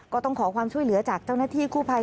ก็ต้องขอความช่วยเหลือจากเจ้าหน้าที่กู้ภัย